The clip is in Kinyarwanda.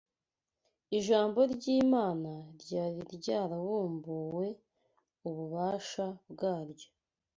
Ijambo ry’Imana ryari ryarambuwe ububasha bwaryo